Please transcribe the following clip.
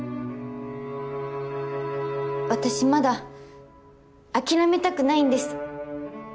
私まだ諦めたくないんです